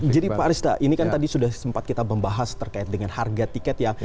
jadi pak arista ini kan tadi sudah sempat kita membahas terkait dengan harga tiket ya